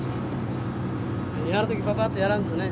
やる時パパっとやらんとね。